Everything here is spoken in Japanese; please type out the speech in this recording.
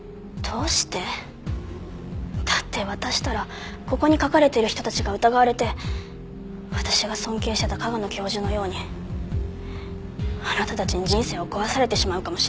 だって渡したらここに書かれてる人たちが疑われて私が尊敬してた加賀野教授のようにあなたたちに人生を壊されてしまうかもしれないじゃない。